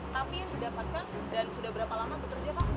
tapi yang didapatkan dan sudah berapa lama bekerja pak